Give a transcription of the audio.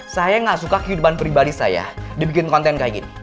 saya gak suka kehidupan pribadi saya dibikin konten kayak gini